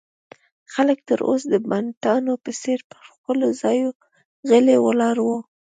خلک تر اوسه د بتانو په څېر پر خپلو ځایو غلي ولاړ ول.